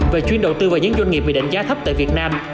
về chuyến đầu tư vào những doanh nghiệp bị đánh giá thấp tại việt nam